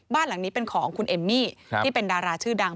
บ้านหลังนี้เป็นของคุณเอมมี่ที่เป็นดาราชื่อดัง